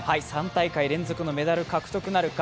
３大会連続のメダル獲得なるか。